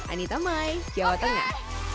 anita mai jawa tengah